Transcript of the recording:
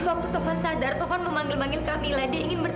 aku mau ketemu sama kamila ma